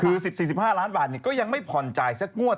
คือ๑๔๑๕ล้านบาทก็ยังไม่ผ่อนจ่ายสักงวด